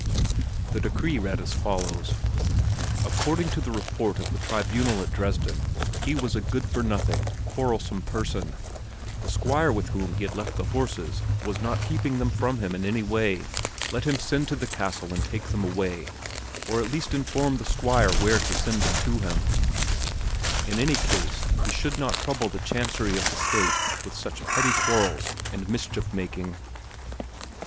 The decree read as follows: "According to the report of the tribunal at Dresden, he was a good for nothing, quarrelsome person; the Squire with whom he had left the horses was not keeping them from him in any way; let him send to the castle and take them away, or at least inform the Squire where to send them to him; in any case he should not trouble the Chancery of the State with such petty quarrels and mischief making."